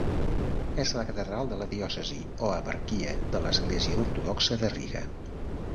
És la catedral de la diòcesi o eparquia de l'Església Ortodoxa de Riga.